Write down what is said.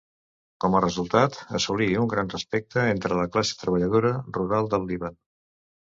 Com a resultat, assolí un gran respecte entre la classe treballadora rural del Líban.